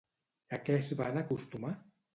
A què es van acostumar?